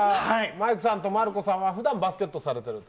マイクさんとマルコさんはふだんバスケットされてると。